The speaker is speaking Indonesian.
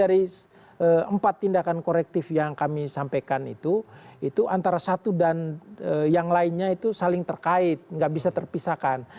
jadi dari empat tindakan korektif yang kami sampaikan itu itu antara satu dan yang lainnya itu saling terkait nggak bisa terpisahkan